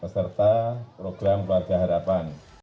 serta program keluarga harapan